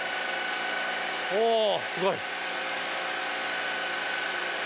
おおすごい。